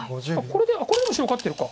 これでも白勝ってるか。